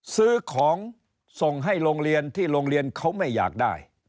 ซื้อของส่งให้โรงเรียนที่โรงเรียนเขาไม่อยากได้